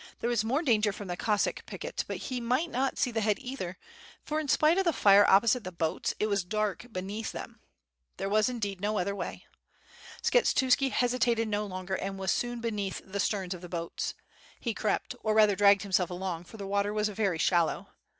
There was more danger from the Cossack picket, but he might not see the head either, for in spite of the fire opposite the boats, it was dark beneath them. There was indeed no other way. Skshetuski hesitated no longer and was soon beneath the stems of the boats. He crept, or rather dragged himself along, for the water was very shallow.